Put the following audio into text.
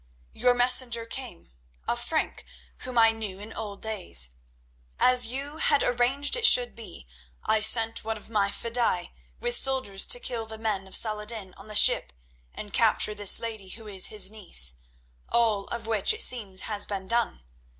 Your messenger came, a Frank whom I knew in old days. As you had arranged it should be, I sent one of my fedaïs with soldiers to kill the men of Salah ed din on the ship and capture this lady who is his niece, all of which it seems has been done.